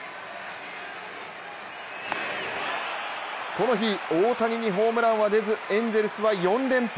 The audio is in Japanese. この日、大谷にホームランは出ずエンゼルスは４連敗。